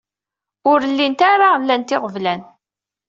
Ur llint ara lant iɣeblan.